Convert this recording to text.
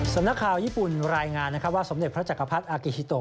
สำนักข่าวญี่ปุ่นรายงานนะครับว่าสมเด็จพระจักรพรรดิอากิฮิโต